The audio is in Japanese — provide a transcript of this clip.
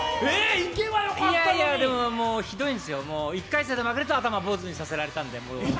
でもひどいんですよ、１回戦で負けると頭坊主にさせられたんで。